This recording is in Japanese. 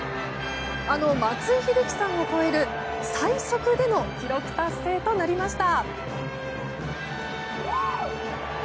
あの松井秀喜さんを超える最速での記録達成となりました。